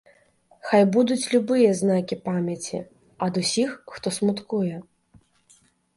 Хай будуць любыя знакі памяці, ад усіх, хто смуткуе.